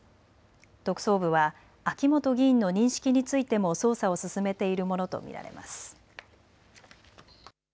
特捜部は秋本議員の認識についても捜査を進めているものと見られます。